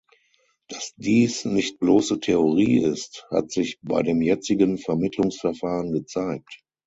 Dass dies nicht bloße Theorie ist, hat sich bei dem jetzigen Vermittlungsverfahren gezeigt.